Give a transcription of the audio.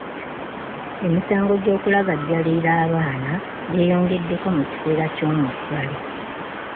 Emisango gy'okulagajjalira abaana gyeyongedde mu kiseera k'yomuggalo.